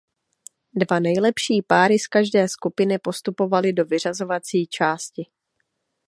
Dva nejlepší páry z každé skupiny postupovaly do vyřazovací části.